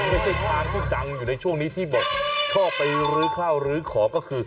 ไม่ใช่ทางที่ดังอยู่ในช่วงนี้ที่บอกชอบไปรื้อข้าวลื้อของก็คือ